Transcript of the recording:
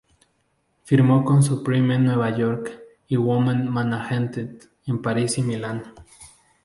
Firmó con Supreme en Nueva York y Women Management en París y Milán.